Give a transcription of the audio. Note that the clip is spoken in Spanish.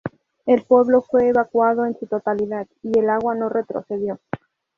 El pueblo fue evacuado en su totalidad, y el agua no retrocedió.